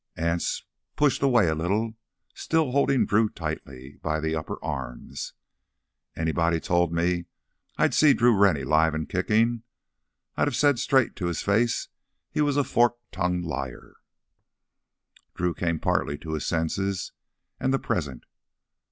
Anse pushed away a little, still holding Drew tightly by the upper arms. "Anybody told me I'd see Drew Rennie live an' kickin', I'd said straight to his face he was a fork tongued liar!" Drew came partly to his senses and the present.